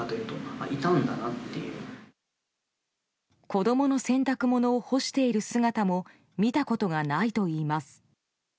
子供の洗濯物を干している姿も見たことがないといいます。